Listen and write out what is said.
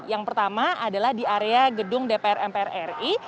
yang pertama adalah di area gedung dpr mpr ri